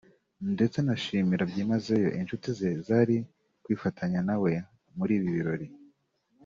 ndetse anashimira byimazeyo inshuti ze zari kwifatanya nawe muri ibi birori